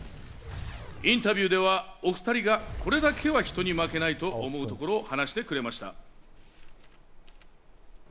インタビューでは、お２人がこれだけは人に負けないと思うところを話してくれました。